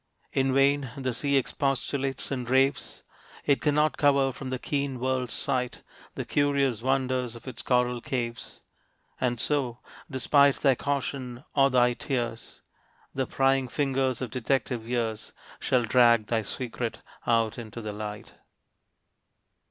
In vain the sea expostulates and raves; It cannot cover from the keen world's sight The curious wonders of its coral caves. And so, despite thy caution or thy tears, The prying fingers of detective years Shall drag thy secret out into the light.